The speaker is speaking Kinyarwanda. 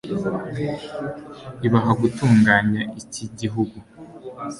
ibaha gutunganya iki gihugu